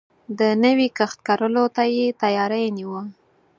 د نوی کښت کرلو ته يې تياری نيوه.